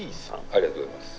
ありがとうございます。